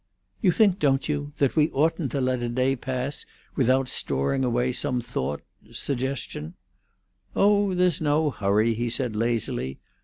"You think, don't you, that we oughtn't to let a day pass without storing away some thought—suggestion——" "Oh, there's no hurry," he said lazily.